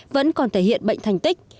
vẫn còn thể hiện bệnh thành tích